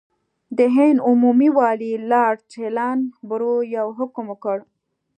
د هند عمومي والي لارډ ایلن برو یو حکم وکړ.